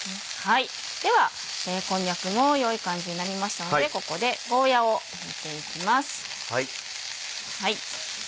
ではこんにゃくも良い感じになりましたのでここでゴーヤを入れていきます。